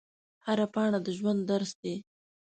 هره پاڼه د ژوند درس دی